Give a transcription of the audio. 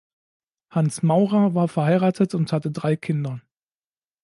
Hans Maurer war verheiratet und hatte drei Kinder.